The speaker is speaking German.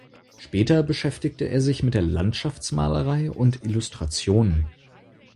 Später beschäftigte er sich mit der Landschaftsmalerei und Illustrationen.